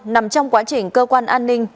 nằm trong quá trình cơ quan an ninh